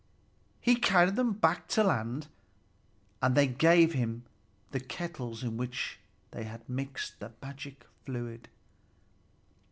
He carried them back to land, and they gave him the kettles in which they had mixed the magic fluid.